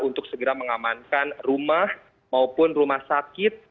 untuk segera mengamankan rumah maupun rumah sakit